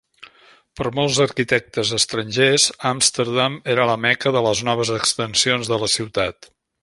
Per molts arquitectes estrangers, Amsterdam era la "Mecca" de les noves extensions de la ciutat.